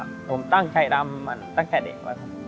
ที่แบบว่าผมตั้งไทยรำตั้งแต่เด็ก